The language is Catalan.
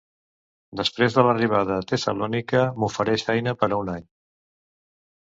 Després de l'arribada a Tessalònica, m'ofereix feina per a un any.